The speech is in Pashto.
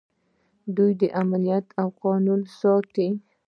دوی امنیت او قانون ساتي.